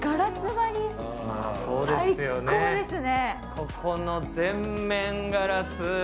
ここの全面ガラス。